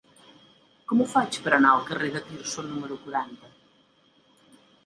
Com ho faig per anar al carrer de Tirso número quaranta?